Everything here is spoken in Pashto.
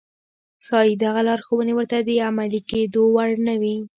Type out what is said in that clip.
ښايي دغه لارښوونې ورته د عملي کېدو وړ نه وي.